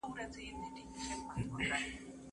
زه به چپنه پاک کړې وي؟!